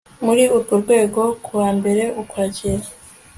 muri urwo rwego ku wambere ukwakira